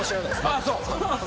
ああそう。